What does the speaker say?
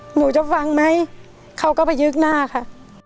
หนูจะฟังไหมเขาก็ไปยึกหน้าค่ะ